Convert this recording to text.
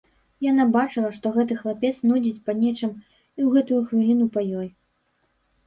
Яна бачыла, што гэты хлапец нудзіць па нечым і ў гэтую хвіліну па ёй.